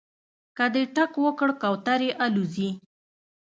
که دې ټک وکړ کوترې الوځي